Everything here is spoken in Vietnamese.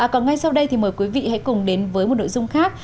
còn ngay sau đây thì mời quý vị hãy cùng đến với một nội dung khác